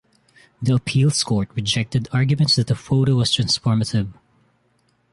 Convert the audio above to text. The appeals court rejected arguments that the photo was transformative.